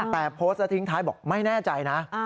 แต่ทิ้งท้ายบอกไม่แน่ใจนะ